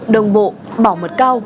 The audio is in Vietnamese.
đồng bộ bảo mật cao